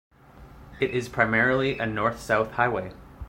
It is primarily a north-south highway.